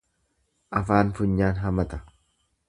Afaan funyaan hamata.